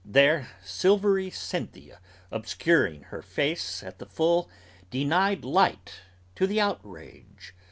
There, silvery Cynthia Obscuring her face at the full, denied light to the outrage.